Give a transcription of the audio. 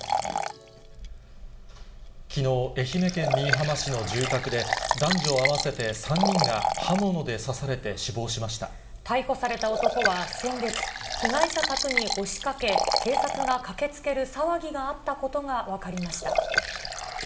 きのう、愛媛県新居浜市の住宅で、男女合わせて３人が刃物で刺されて死亡逮捕された男は、先月、被害者宅に押しかけ、警察が駆けつける騒ぎがあったことが分かりました。